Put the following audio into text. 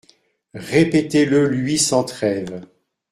Répétez-le lui sans trêve.